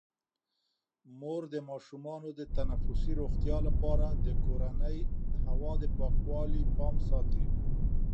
مور د ماشومانو د تنفسي روغتیا لپاره د کورني هوا د پاکوالي پام ساتي.